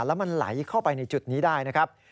แล้วมันไหลเข้าไปในจุดนี้ได้นะครับ